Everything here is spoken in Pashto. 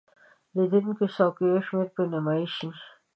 د لیدونکو څوکیو شمیر به نیمایي شي.